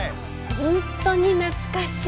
本当に懐かしい。